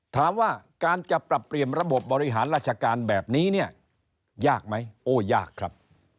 ถามว่าการจะปรับเปลี่ยนระบบบบริหารราชการแบบนี้เนี่ยยากไหมโอ้ยากครับ